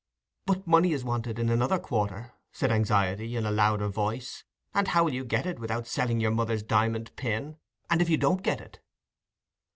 "But money is wanted in another quarter," said Anxiety, in a louder voice, "and how will you get it without selling your mother's diamond pin? And if you don't get it...?"